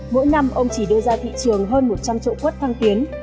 mỗi năm ông chỉ đưa ra thị trường hơn một trăm linh trậu quất thăng tiến